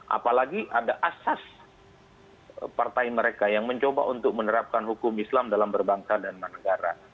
apalagi ada asas partai mereka yang mencoba untuk menerapkan hukum islam dalam berbangsa dan menegara